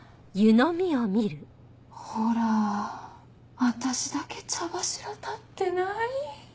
ほら私だけ茶柱立ってない。